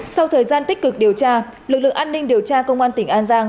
sau thời gian tích cực điều tra lực lượng an ninh điều tra công an tỉnh an giang